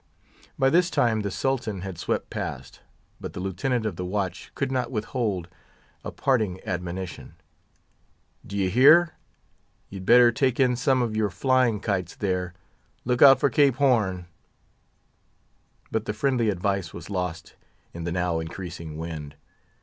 By this time the Sultan had swept past, but the Lieutenant of the Watch could not withhold a parting admonition. "D'ye hear? You'd better take in some of your flying kites there. Look out for Cape Horn!" But the friendly advice was lost in the now increasing wind.